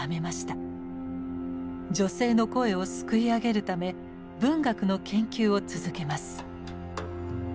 女性の声をすくい上げるため文学の研究を続けます。